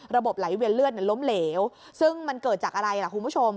ไหลเวียนเลือดล้มเหลวซึ่งมันเกิดจากอะไรล่ะคุณผู้ชม